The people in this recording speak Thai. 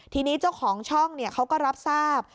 ทีนี้เจ้าของช่องเขาก็รับทราบ